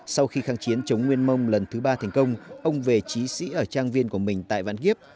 sau khi kháng chiến chống nguyên mông lần thứ ba thành công ông về trí sĩ ở trang viên của mình tại vạn kiếp